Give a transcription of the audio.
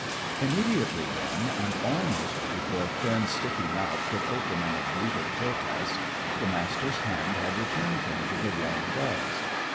Immediately then, and almost before Finn's sticky mouth could open in a bleat of protest, the Master's hand had returned him to the warm dugs.